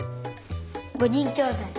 ５にんきょうだい。